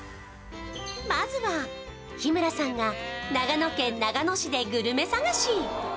まずは日村さんが長野県長野市でグルメ探し！